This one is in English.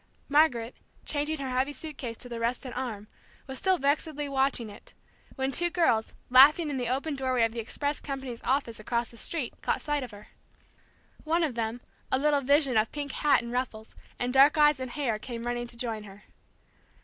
Margaret, changing her heavy suit case to the rested arm, was still vexedly watching it, when two girls, laughing in the open doorway of the express company's office across the street, caught sight of her. One of them, a little vision of pink hat and ruffles, and dark eyes and hair, came running to join her.